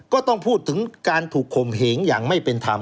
ก็ต้องพูดถึงการถูกข่มเหงอย่างไม่เป็นธรรม